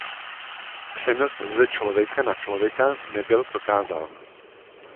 Přenos z člověka na člověka nebyl prokázán.